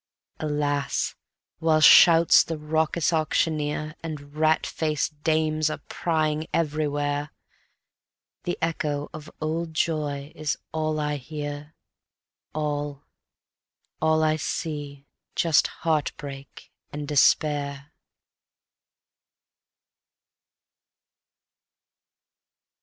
Alas! while shouts the raucous auctioneer, And rat faced dames are prying everywhere, The echo of old joy is all I hear, All, all I see just heartbreak and despair.